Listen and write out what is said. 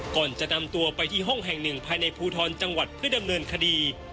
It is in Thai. ก่อนจะนำตัวไปที่ห้องแห่งหนึ่งภายในภูทรจังหวัดเพื่อดำเนินคดี